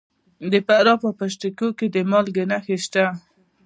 د فراه په پشت کوه کې د مالګې نښې شته.